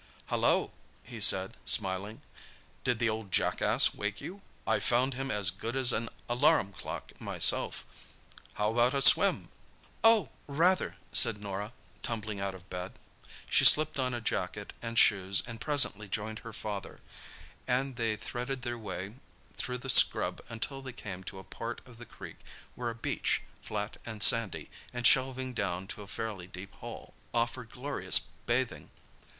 "Hallo!" he said, smiling, "did the old jackass wake you? I found him as good as an alarum clock myself. How about a swim?" "Oh—rather!" said Norah, tumbling out of bed. She slipped on a jacket and shoes, and presently joined her father, and they threaded their way through the scrub until they came to a part of the creek where a beach, flat and sandy, and shelving down to a fairly deep hole, offered glorious bathing.